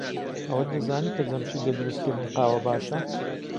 ئەوەت دەزانی کە جەمشید لە دروستکردنی قاوە باشە؟